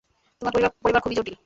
তোমার পরিবার খুবই জটিল।